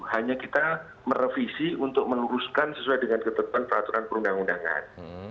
hanya kita merevisi untuk meluruskan sesuai dengan ketentuan peraturan perundang undangan